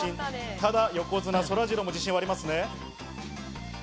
ただ横綱・そらジローも自信はありますね。